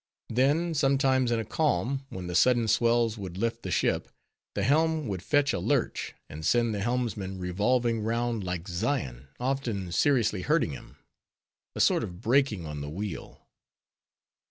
Then, sometimes in a calm, when the sudden swells would lift the ship, the helm would fetch a lurch, and send the helmsman revolving round like Ixion, often seriously hurting him; a sort of breaking on the wheel.